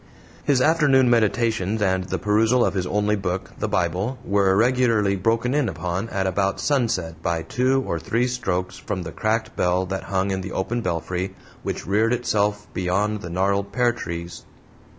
His afternoon meditations and the perusal of his only book the Bible were regularly broken in upon at about sunset by two or three strokes from the cracked bell that hung in the open belfry which reared itself beyond the gnarled pear tees.